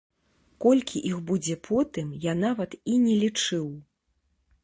Колькі іх будзе потым, я нават і не лічыў.